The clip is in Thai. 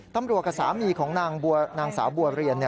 กับสามีของนางสาวบัวเรียน